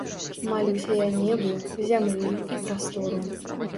Малюся я небу, зямлі і прастору.